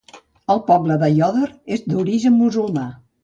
El poble d'Aiòder és d'origen musulmà